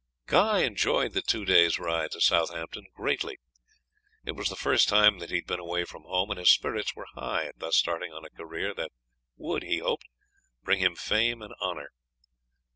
Guy enjoyed the two days' ride to Southampton greatly. It was the first time that he had been away from home, and his spirits were high at thus starting on a career that would, he hoped, bring him fame and honour.